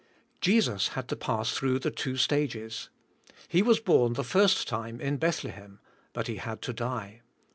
Jesus had to pass throug h the two stag es. He was born the first time in Bethlehem, but He had to die.